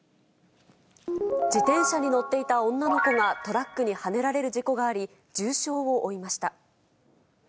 自転車に乗っていた女の子がトラックにはねられる事故があり、重傷を負いました。